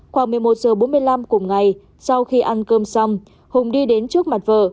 khoảng một mươi một h bốn mươi năm cùng ngày sau khi ăn cơm xong hùng đi đến trước mặt vợ